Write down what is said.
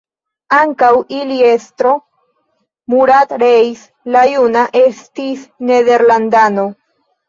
Ankaŭ ili estro, Murat Reis la Juna estis nederlandano.